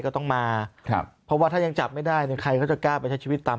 ก็ต้องมาเพราะว่าถ้ายังจับไม่ได้ใครก็จะกล้าไปชีวิตตาม